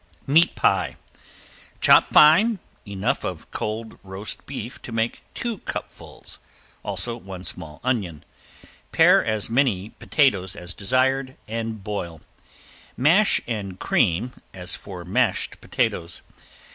~MEAT PIE~ Chop fine, enough of cold roast beef to make two cupfuls, also one small onion, pare as many potatoes as desired and boil, mash and cream as for mashed potatoes.